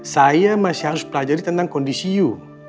saya masih harus pelajari tentang kondisi you